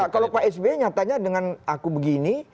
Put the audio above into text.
kalau pak s b nyatanya dengan aku begini